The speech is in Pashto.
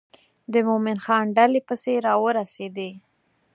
د مومن خان ډلې پسې را ورسېدې.